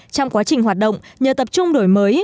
trong quá trình hoạt động nhờ tập trung đổi mới